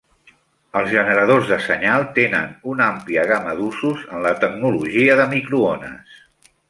Els generadors de senyal tenen una àmplia gamma d'usos en la tecnologia de microones.